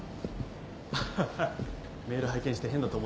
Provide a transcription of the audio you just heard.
ハハハメール拝見して変だと思ってまして。